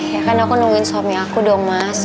ya kan aku nungguin suami aku dong mas